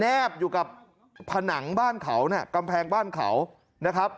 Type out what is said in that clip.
แบอยู่กับผนังบ้านเขาเนี่ยกำแพงบ้านเขานะครับ